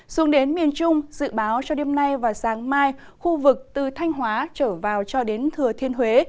xuống đến miền trung dự báo cho đêm nay và sáng mai khu vực từ thanh hóa trở vào cho đến thừa thiên huế